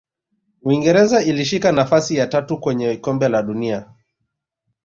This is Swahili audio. uingereza ilishika nafasi ya tatu kwenye kombe la dunia